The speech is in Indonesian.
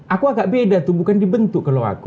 aku agak beda tuh bukan dibentuk kalau aku